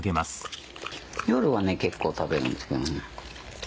夜はね結構食べるんですけどね。